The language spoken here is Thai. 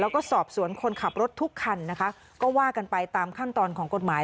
แล้วก็สอบสวนคนขับรถทุกคันนะคะก็ว่ากันไปตามขั้นตอนของกฎหมาย